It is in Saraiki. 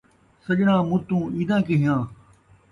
سڄݨا مُتوں عیداں کیہاں